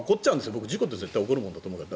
僕、事故って絶対に起こることだと思うから。